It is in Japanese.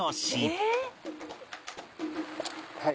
はい。